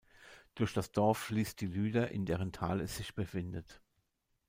Durch das Dorf fließt die Lüder, in deren Tal es sich befindet.